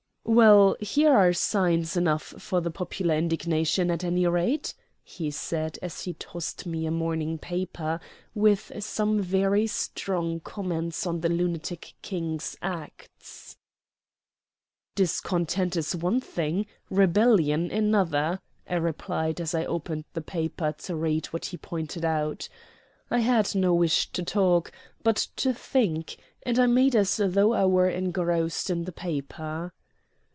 "Well, here are signs enough of the popular indignation, at any rate," he said as he tossed me a morning paper with some very strong comments on the lunatic King's acts. "Discontent is one thing, rebellion another," I replied as I opened the paper to read what he pointed out. I had no wish to talk, but to think, and I made as though I were engrossed in the paper.